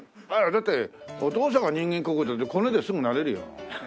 だってお父さんが人間国宝コネですぐなれるよ。